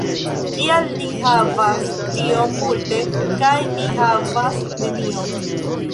Kial li havas tiom multe kaj mi havas nenion?